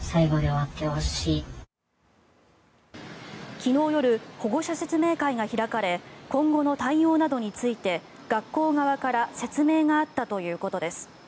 昨日夜保護者説明会が開かれ今後の対応などについて学校側から説明があったということです。